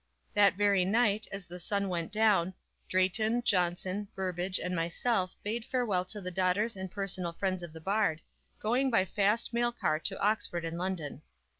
That very night, as the sun went down, Drayton, Jonson, Burbage and myself bade farewell to the daughters and personal friends of the Bard, going by fast mail car to Oxford and London.